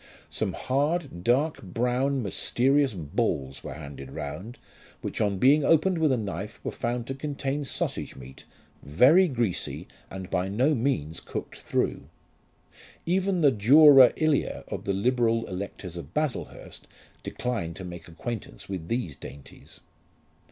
Some hard dark brown mysterious balls were handed round, which on being opened with a knife were found to contain sausage meat, very greasy and by no means cooked through. Even the dura ilia of the liberal electors of Baslehurst declined to make acquaintance with these dainties.